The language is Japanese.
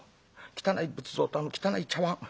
汚い仏像とあの汚い茶碗。